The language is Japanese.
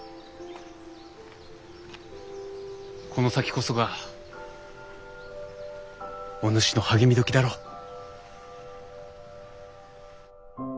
この先こそがお主の励み時だろう。